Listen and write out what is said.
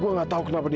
ya allah gimana ini